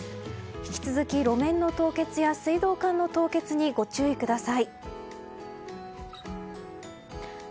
引き続き路面の凍結や水道管の凍結にご注意ください。